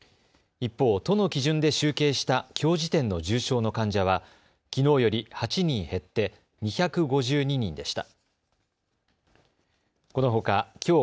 一方、都の基準で集計したきょう時点の重症の患者はきのうより８人減って２５２人でした。